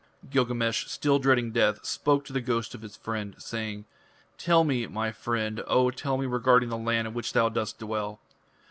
Gilgamesh, still dreading death, spoke to the ghost of his friend, saying: "Tell me, my friend, O tell me regarding the land in which thou dost dwell."